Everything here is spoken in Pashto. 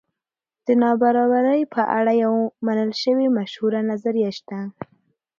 د نابرابرۍ په اړه یوه منل شوې مشهوره نظریه شته.